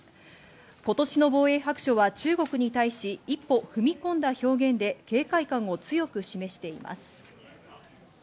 今年の防衛白書は中国に対し、一歩踏み込んだ表現で警戒感を強く示しています。